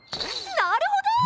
なるほど！